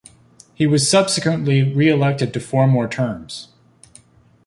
He was subsequently re-elected to four more terms.